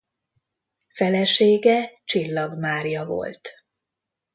Felesége Csillag Mária volt.